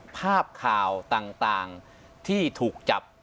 ภาพข่าวต่างที่ถูกจับ